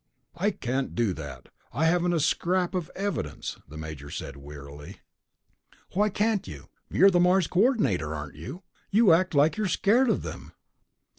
"I can't do that, I haven't a scrap of evidence," the major said wearily. "Why can't you? You're the Mars Coordinator, aren't you? You act like you're scared of them."